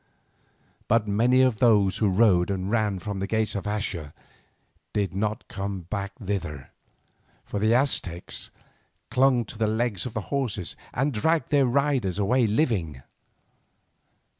But many of those who rode and ran from the gates of Axa did not come back thither, for the Aztecs clung to the legs of the horses and dragged their riders away living.